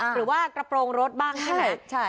หรือว่ากระโปรงรถบ้างใช่ไหม